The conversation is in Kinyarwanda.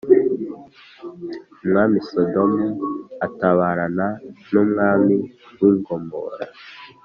Umwami Sodomu atabarana n ‘umwami w i Gomora.